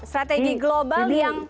strategi global yang